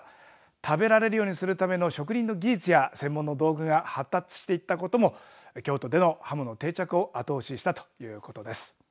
食べられるようにするための職人の技術や専門の道具が発達していったことも京都でのハモの定着を後押しした、ということです。